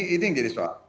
ini yang jadi soal